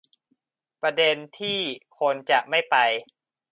ประเด็นที่คนจะไม่ไป